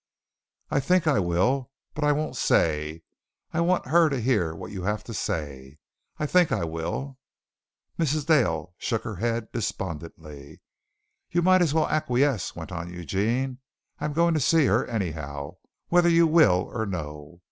"I think I will, but I won't say. I want her to hear what you have to say. I think I will." Mrs. Dale shook her head despondently. "You might as well acquiesce," went on Eugene. "I'm going to see her anyhow, whether you will or no.